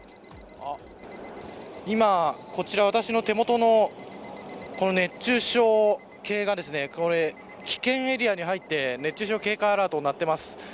今、こちら私の手元の熱中症計が危険エリアに入って熱中症警戒アラートが鳴っています。